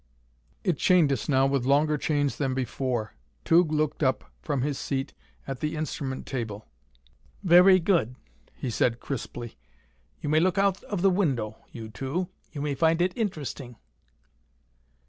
It chained us now with longer chains than before. Tugh looked up from his seat at the instrument table. "Very good," he said crisply. "You may look out of the window, you two. You may find it interesting."